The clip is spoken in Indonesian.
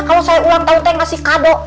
kalau saya ulang tahun teh ngasih kado